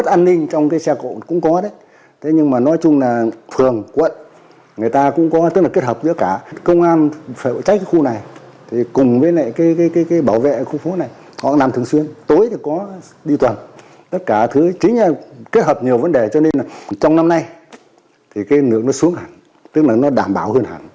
trong năm nay thì cái lượng nó xuống hẳn tức là nó đảm bảo hơn hẳn